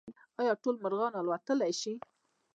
ایا ټول مرغان الوتلی شي؟